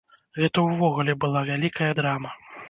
Гэта ўвогуле была вялікая драма.